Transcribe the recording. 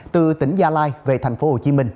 từ tỉnh gia lai về tp hcm